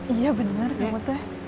iya bener kamu tuh